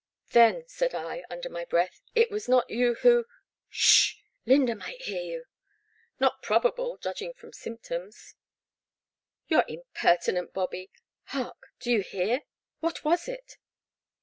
Then," said I, under my breath, '* it was not you who "Sh h ! Lynda might hear you." Not probable, judging from S3ntnptoms." You 're impertinent, Bobby — ^hark ! do you hear? What was it?"